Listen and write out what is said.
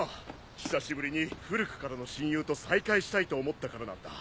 久しぶりに古くからの親友と再会したいと思ったからなんだ。